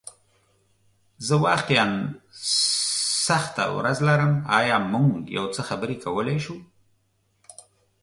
زه واقعیا سخته ورځ لرم، ایا موږ یو څه خبرې کولی شو؟